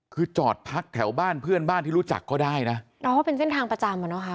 คือจอดพักแถวบ้านเพื่อนบ้านที่รู้จักก็ได้นะน้องว่าเป็นเส้นทางประจำอ่ะนะคะ